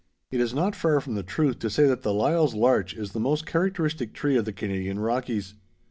It is not far from the truth to say that the Lyall's larch is the most characteristic tree of the Canadian Rockies.